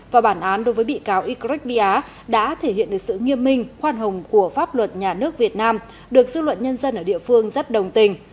và bản án đối với bị cáo ycret bia đã thể hiện được sự nghiêm minh khoan hồng của pháp luật nhà nước việt nam được dư luận nhân dân ở địa phương rất đồng tình